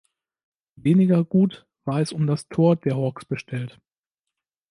Weniger gut war es um das Tor der Hawks bestellt.